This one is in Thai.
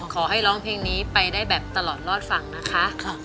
ขอให้ร้องเพลงนี้ไปได้แบบตลอดรอดฟังนะคะ